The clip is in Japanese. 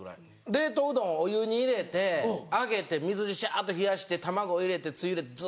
冷凍うどんお湯に入れて上げて水でシャっと冷やして卵入れてつゆでズ！